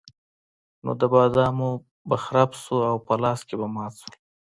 نو د بادامو به خرپ شو او په لاس کې به مات شول.